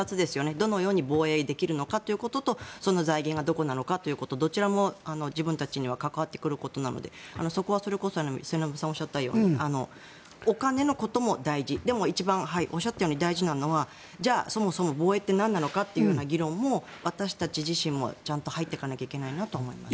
どのように防衛できるのかということと財源がどこなのかということどちらも自分たちには関わってくることなのでそこはそれこそ末延さんがおっしゃったようにお金のことも大事でも一番おっしゃったように大事なのはじゃあそもそも防衛ってなんなのかという議論も私たち自身も入っていかないといけないと思います。